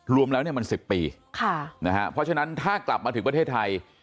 รวมแล้วเนี่ยมัน๑๐ปีเพราะฉะนั้นถ้ากลับมาถึงประเทศไทย